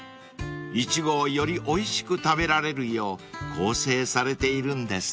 ［イチゴをよりおいしく食べられるよう構成されているんですね］